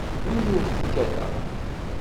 Yiwen ur t-kkateɣ.